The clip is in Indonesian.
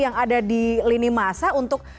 yang ada di lini masa untuk